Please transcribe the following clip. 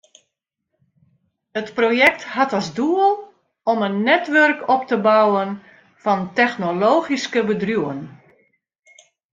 It projekt hat as doel om in netwurk op te bouwen fan technologyske bedriuwen.